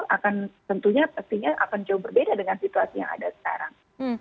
akan tentunya pastinya akan jauh berbeda dengan situasi yang ada sekarang